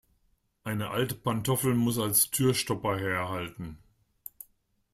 Eine alte Pantoffel muss als Türstopper herhalten.